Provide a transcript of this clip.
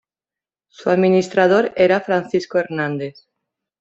Su administrador era Francisco Hernández.